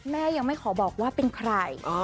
แม่ยังไม่ขอบอกว่าเป็นใคร